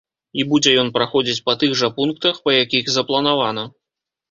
І будзе ён праходзіць па тых жа пунктах, па якіх запланавана.